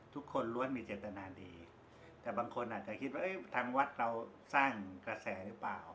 ทุกคนล้วนมีเจตนาดีแต่บางคนอาจจะคิดว่าทางวัดเราสร้างกระแสหรือเปล่า